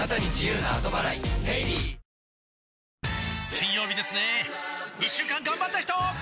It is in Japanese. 金曜日ですね一週間がんばった人！